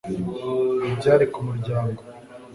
Ibi byari kumuryango